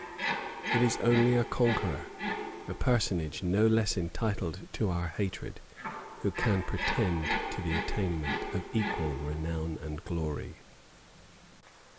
It is only a conqueror, a personage no less entitled to our hatred, who can pretend to the attainment of equal renown and glory.